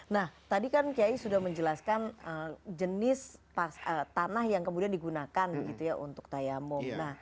nah tadi kan kyai sudah menjelaskan jenis tanah yang kemudian digunakan untuk tayamu